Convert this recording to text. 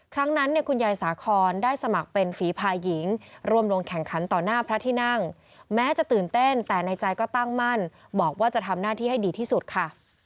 ครั้งนั้นเนี่ยคุณยายสาคอนได้สมัครเป็นฝีภาหญิงรวมลงแข่งขันต่อหน้าพระที่นั่งแม้จะตื่นเต้นแต่ในใจก็ตั้งมั่นบอกว่าจะทำหน้าที่ให้ดีที่สุดค่ะ